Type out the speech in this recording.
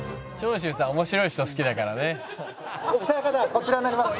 こちらになります。